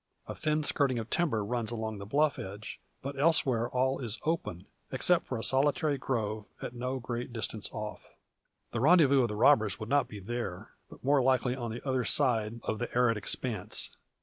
A thin skirting of timber runs along the bluff edge; but elsewhere all is open, except a solitary grove at no great distance off. The rendezvous of the robbers would not be there, but more likely on the other side of the arid expanse.